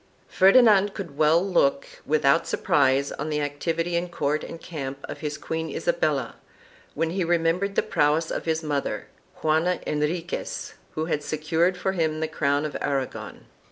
Ferdinand could well look without surprise on the activity in court and camp of his queen Isabella, when he remembered the prowess of his mother, Juana Henri quez, who had secured for him the crown of Aragon.